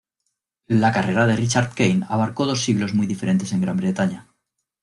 La carrera de Richard Kane abarcó dos siglos muy diferentes en Gran Bretaña.